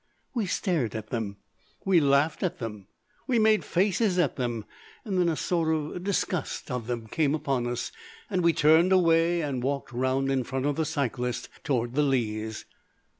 We stared at them, we laughed at them, we made faces at them, and then a sort of disgust of them came upon us, and we turned away and walked round in front of the cyclist towards the Leas.